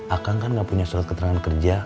akang kan nggak punya surat keterangan kerja